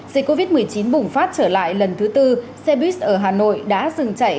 dịch covid một mươi chín bùng phát trở lại lần thứ tư xe buýt ở hà nội đã dừng chạy